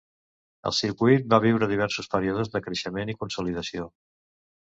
El Circuit va viure diversos períodes de creixement i consolidació.